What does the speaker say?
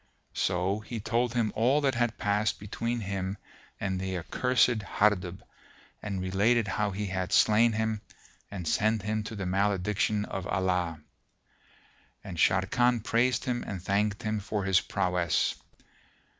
So he told him all that had passed between him and the accursed Hardub and related how he had slain him and sent him to the malediction of Allah; and Sharrkan praised him and thanked him for his prowess.